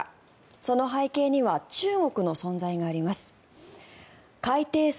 その背景には中国の存在があります。